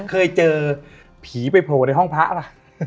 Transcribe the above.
เคยเจอผีไปโผล่ในห้องพระป่ะ